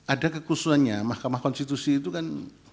ada kekhusuannya mahkamah konstitusi itu kan